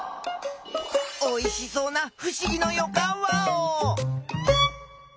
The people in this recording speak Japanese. おいしそうなふしぎのよかんワオ！